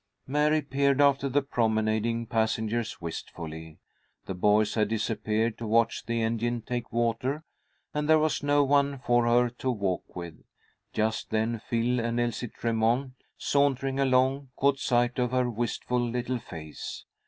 Mary peered after the promenading passengers wistfully. The boys had disappeared to watch the engine take water, and there was no one for her to walk with. Just then, Phil and Elsie Tremont, sauntering along, caught sight of her wistful little face.